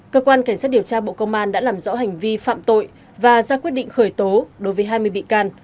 cơ quan cảnh sát điều tra bộ công an đã làm rõ hành vi phạm tội và ra quyết định khởi tố đối với hai mươi bị can